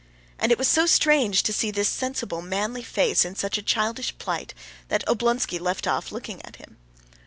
And it was so strange to see this sensible, manly face in such a childish plight, that Oblonsky left off looking at him.